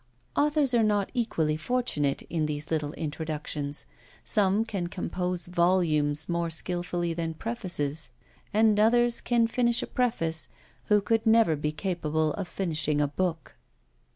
Authors are not equally fortunate in these little introductions; some can compose volumes more skilfully than prefaces, and others can finish a preface who could never be capable of finishing a book.